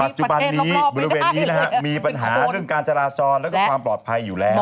จุบันนี้บริเวณนี้มีปัญหาเรื่องการจราจรแล้วก็ความปลอดภัยอยู่แล้ว